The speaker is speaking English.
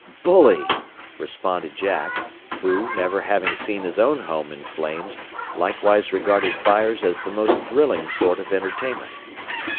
"Bully!" responded Jack; who, never having seen his own home in flames, likewise regarded fires as the most thrilling sort of entertainment.